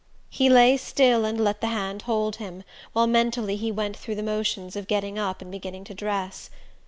He lay still and let the hand hold him, while mentally he went through the motions of getting up and beginning to dress.